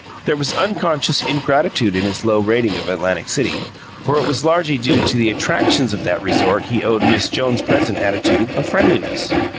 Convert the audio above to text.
There was unconscious ingratitude in his low rating of Atlantic City, for it was largely to the attractions of that resort he owed Miss Jones' present attitude of friendliness.